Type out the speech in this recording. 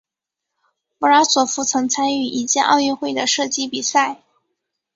弗拉索夫曾参与一届奥运会的射击比赛。